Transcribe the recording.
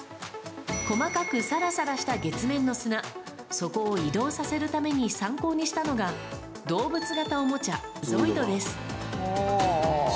細かくさらさらした月面の砂、そこを移動させるために参考にしたのが、動物型おもちゃ、ゾイドです。